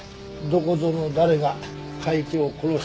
どこぞの誰が会長を殺したとか。